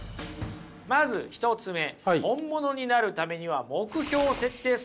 まず１つ目本物になるためには目標を設定すべきである。